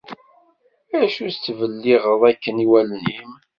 acu tettbelliɣeḍ akken i wallen-im?